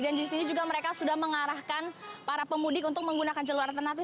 dan di sini juga mereka sudah mengarahkan para pemudik untuk menggunakan jalur alternatif